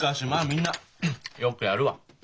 みんなよくやるわ。